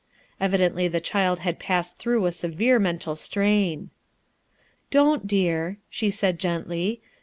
Evidently the child had passed through a severe mental strain. "Don't, dear," she said gently.